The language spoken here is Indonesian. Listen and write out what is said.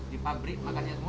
di pabrik makannya semua